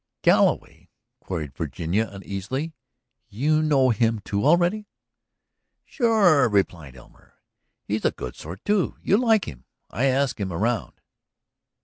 "Galloway?" queried Virginia uneasily. "You know him too, already?" "Sure," replied Elmer. "He's a good sort, too, You'll like him. I asked him around."